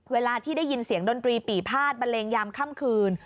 เวลาที่ได้ยินเสียงดนตรีปีภาษบันเลงยามค่ำคืน